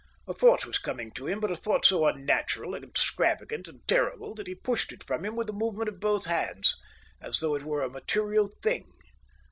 A thought was coming to him, but a thought so unnatural, extravagant, and terrible that he pushed it from him with a movement of both hands, as though it were a material thing.